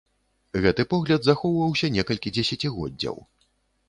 Гэты погляд захоўваўся некалькі дзесяцігоддзяў.